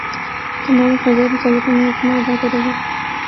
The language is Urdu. تمام اخراجات متعلقہ محکمہ ادا کرے گا